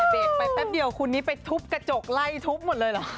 เด็กไปแป๊บเดียวคนนี้ไปทุบกระจกไล่ทุบหมดเลยเหรอ